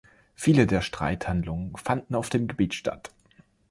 Viele der Streithandlungen fanden auf dem Gebiet statt.